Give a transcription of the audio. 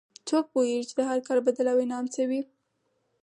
څوک پوهیږي چې د هر کار بدل او انعام څه وي